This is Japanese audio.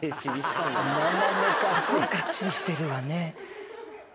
すごいがっちりしてるわね。